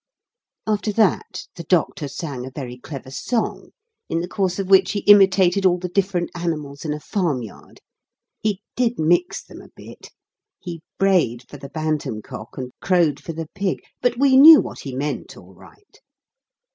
After that, the Doctor sang a very clever song, in the course of which he imitated all the different animals in a farmyard. He did mix them a bit. He brayed for the bantam cock, and crowed for the pig; but we knew what he meant all right.